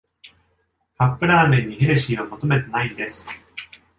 カップラーメンにヘルシーは求めてないんです